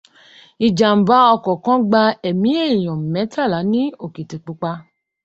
Ìjàmbá ọkọ̀ kan gba ẹ̀mí èèyàn mẹ́tàlá ní Òkìtipupa